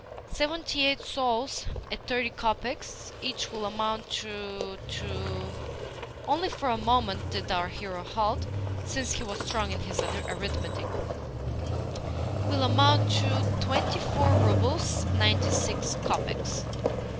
"Seventy eight souls at thirty kopecks each will amount to to " only for a moment did our hero halt, since he was strong in his arithmetic, " will amount to twenty four roubles, ninety six kopecks."